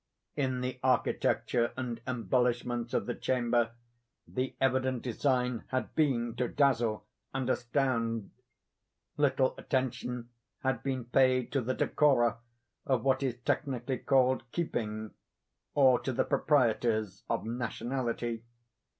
In the architecture and embellishments of the chamber, the evident design had been to dazzle and astound. Little attention had been paid to the decora of what is technically called keeping, or to the proprieties of nationality.